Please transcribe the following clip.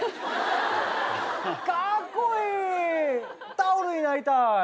タオルになりたい！